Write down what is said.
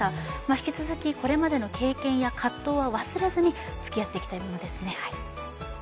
引き続きこれまでの経験や葛藤は忘れずに、つきあっていきたいものですね。